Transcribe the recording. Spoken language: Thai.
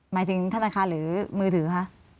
หมายถึงธนาคารหรือมือถือคะ